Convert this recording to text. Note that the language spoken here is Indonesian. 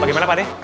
bagaimana pak de